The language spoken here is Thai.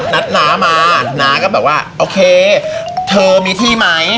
น้ามาน้าก็แบบว่าโอเคเธอมีที่ไหม